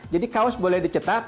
jadi kaos boleh dicetak